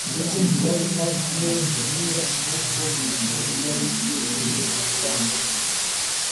ndetse ntiyari azi neza niba se wo mu ijuru yari yemeye igitambo cye